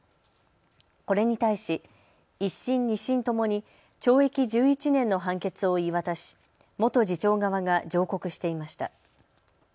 これに対し１審、２審ともに懲役１１年の判決を言い渡し元次長側が上告していました。